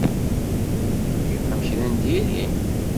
Giɣ-am kra n diri?